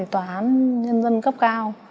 thì tòa án nhân dân cấp cao